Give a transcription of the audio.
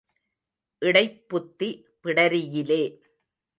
இடைப் புத்தி பிடரியிலே.